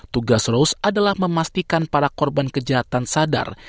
tugas rose adalah memastikan para korban kejahatan sadar